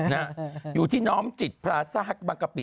นะฮะอยู่ที่น้อมจิตพราซ่าฮักบางกะปิ